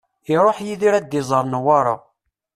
Iruḥ Yidir ad d-iẓer Newwara.